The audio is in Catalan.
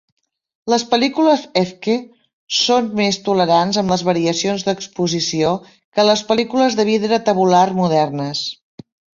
Les pel·lícules Efke són més tolerants amb les variacions d'exposició que les pel·lícules de vidre tabular modernes.